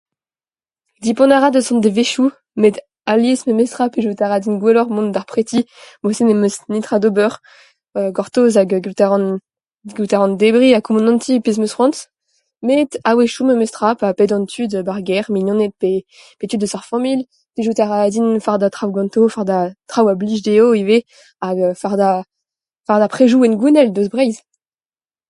Depant a ra eus an devezhioù met alies memes tra plijout a ra din gwelloc'h mont d'ar preti mod-se ne'm eus netra d'ober euu gortoz ha gallout a ran... gallout a ran debriñ ha koumanantiñ pezh 'm eus c'hoant met a-wechoù memes tra pa bedan tud 'ba gêr mignoned pe tud eus ar familh plijout a ra din fardañ traoù ganto fardañ traoù a blij dezho ivez ha fardañ predoù hengounel eus Breizh.